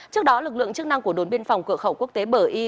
trước đó lực lượng chức năng của đồn biên phòng cửa khẩu quốc tế bờ y